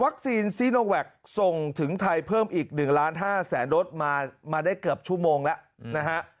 วัคซีนซีโนแวกส่งถึงไทยเพิ่มอีก๑๕ล้านรถมาได้เกือบชั่วโมงแล้วนะฮะ